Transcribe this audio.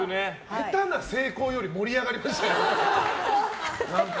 下手な成功より盛り上がりましたよ。